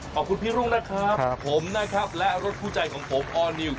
ขอบคุณพี่รุ่งนะครับผมนะครับและรถคู่ใจของผมออร์นิวส